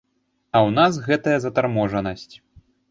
А ў нас гэтая затарможанасць.